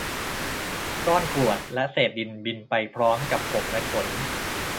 ก้อนกรวดและเศษดินบินไปพร้อมกับผมและขน